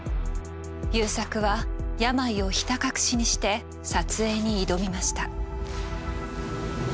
優作は病をひた隠しにして撮影に挑みました。